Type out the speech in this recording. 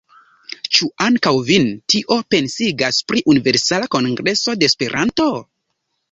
Ĉu ankaŭ vin tio pensigas pri Universala Kongreso de Esperanto?